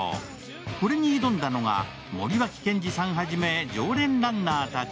これに挑んだのが森脇健児さんはじめ常連ランナーたち。